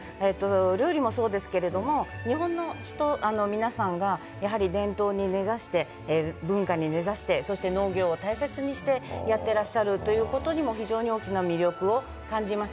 料理もそうですけれども日本の人、日本の皆さんが伝統に根ざして文化に根ざして農業を大切にしてやっていらっしゃるということに非常に大きな魅力を感じます。